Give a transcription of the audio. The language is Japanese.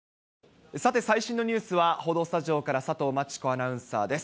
さて、最新のニュースは、報道スタジオから佐藤真知子アナウンサーです。